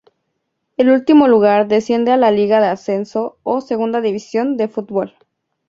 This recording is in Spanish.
El último lugar desciende a la Liga de Ascenso, o segunda división de fútbol.